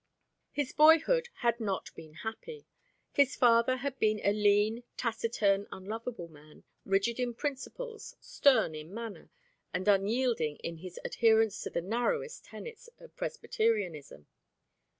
His boyhood had not been happy. His father had been a lean, taciturn, unlovable man, rigid in principles, stern in manner, and unyielding in his adherence to the narrowest tenets of Presbyterianism.